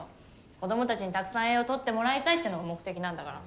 子どもたちにたくさん栄養とってもらいたいっていうのが目的なんだから。